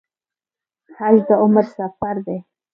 حج د عمر سفر دی